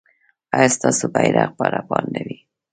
ایا ستاسو بیرغ به رپانده وي؟